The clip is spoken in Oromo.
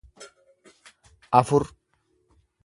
afur